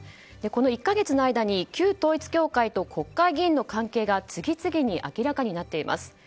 この１か月の間に旧統一教会と国家公務員議員の関係が次々に明らかになっています。